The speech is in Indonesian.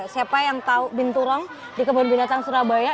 siapa yang tahu binturong di kebun binatang surabaya